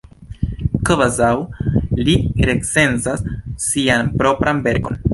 Kvazaŭ li recenzas sian propran verkon!